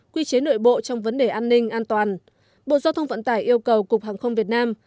quy chế nội bộ trong vấn đề an ninh an toàn bộ giao thông vận tải yêu cầu cục hàng không việt nam